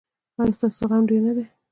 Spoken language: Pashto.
ایا ستاسو زغم ډیر نه دی؟